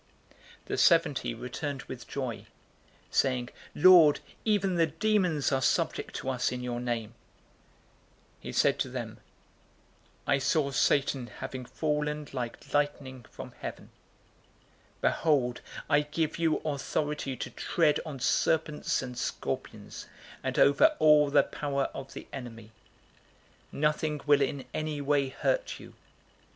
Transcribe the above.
010:017 The seventy returned with joy, saying, "Lord, even the demons are subject to us in your name!" 010:018 He said to them, "I saw Satan having fallen like lightning from heaven. 010:019 Behold, I give you authority to tread on serpents and scorpions, and over all the power of the enemy. Nothing will in any way hurt you.